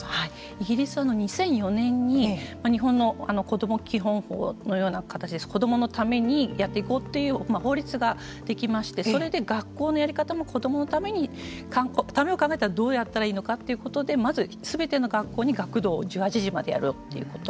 イギリスは２００４年に日本の子ども基本法のような形で子どものためにやっていこうという法律ができましてそれで学校のやり方も子どものためを考えたらどうやったらいいのかということですべての学校に学童を１８時までやろうということ。